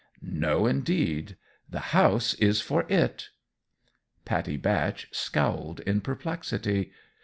"No, indeed; the house is for it." Pattie Batch scowled in perplexity.